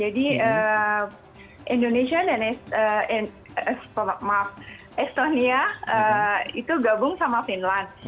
jadi indonesia dan estonia itu gabung sama finland